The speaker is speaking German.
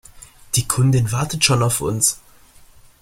Die Kundin wartet schon auf uns.